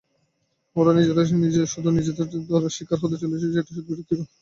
ওরা নিজেরাই নিজেদের ধরনের শিকার হতে চলেছে, যেটা শুধু বিরক্তিরই জন্ম দেবে।